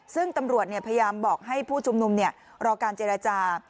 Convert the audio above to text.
ซึ่งตำรวจพยายามบอกให้ผู้ชุมนุมรอการเจรจา